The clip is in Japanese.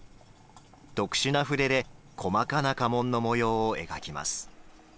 特殊な筆で細かな家紋の模様を描きます。